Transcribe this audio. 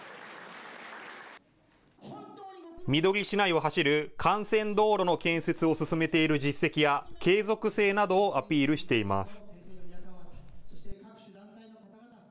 みどり市内を走る幹線道路の建設を進めている実績や継続性などをアピールしています。